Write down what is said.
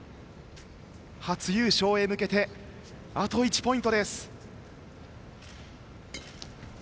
初優勝へ向けてあと１ポイントです。